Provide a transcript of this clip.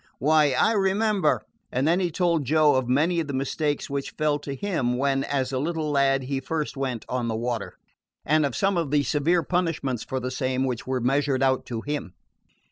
Why, I remember " And then he told Joe of many of the mishaps which fell to him when, as a little lad, he first went on the water, and of some of the severe punishments for the same which were measured out to him.